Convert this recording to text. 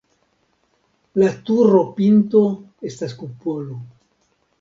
La turopinto estas kupolo.